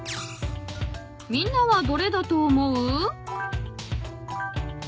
［みんなはどれだと思う？］